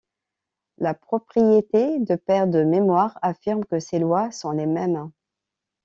La propriété de perte de mémoire affirme que ces lois sont les mêmes.